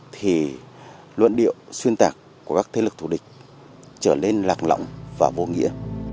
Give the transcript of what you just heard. những điệu xuyên tạc của các thế lực thủ địch trở nên lạc lỏng và vô nghĩa